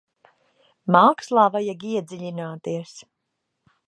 Mākslā vajag iedziļināties.